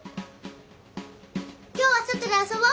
今日は外で遊ぼ。